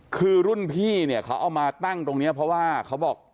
คือรุ่นพี่เนี่ยเขาเอามาตั้งตรงนี้เพราะว่าเขาบอก